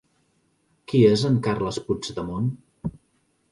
Qui és en Carles Puigdemont?